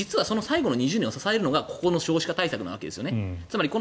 その最後の２０年を支えるのがここの少子化対策なわけです。